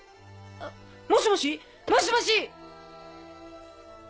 もしもし！もしもし！